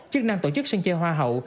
chức năng tổ chức sân chơi hoa hậu